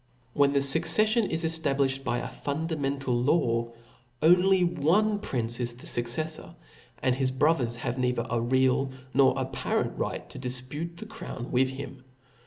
When the fucceflion is eftabliflicd by a funda mental law, only one prince is the fucceflbr, and his brothers have neicher a real nor apparent right to difpute O F L A W S. . 89 /iilpute the crown with him.